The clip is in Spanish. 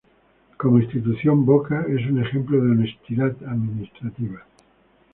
Como institución, Boca es un ejemplo de honestidad administrativa.